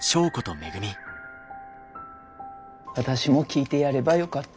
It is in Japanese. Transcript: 私も聞いてやればよかった。